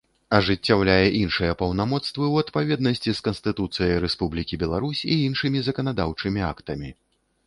Ажыццяўляе iншыя паўнамоцтвы ў адпаведнасцi з Канстытуцыяй Рэспублiкi Беларусь i iншымi заканадаўчымi актамi.